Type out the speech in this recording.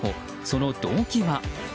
その動機は？